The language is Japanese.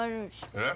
えっ？